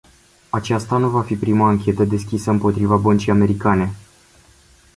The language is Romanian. Aceasta nu va fi prima anchetă deschisă împotriva băncii americane.